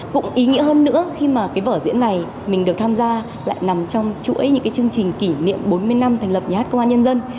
cũng ý nghĩa hơn nữa khi mà cái vở diễn này mình được tham gia lại nằm trong chuỗi những cái chương trình kỷ niệm bốn mươi năm thành lập nhà hát công an nhân dân